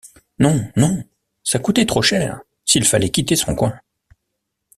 Non, non! ça coûtait trop cher, s’il fallait quitter son coin !